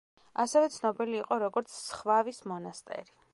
ასევე ცნობილი იყო, როგორც „სხვავის მონასტერი“.